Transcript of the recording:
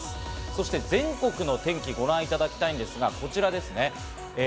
そして全国の天気ご覧いただきたいんですが、こちらです。